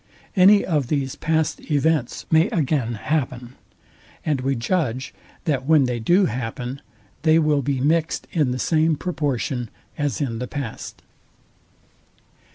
Any of these past events may again happen; and we judge, that when they do happen, they will be mixed in the same proportion as in the past.